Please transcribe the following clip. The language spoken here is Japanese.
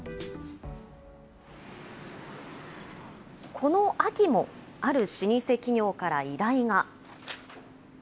この秋も、ある老舗企業から依頼が。